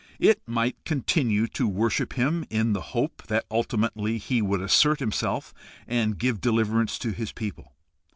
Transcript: It might continue to worship him in the hope that ultimately he would assert himself and give deliverance to his people.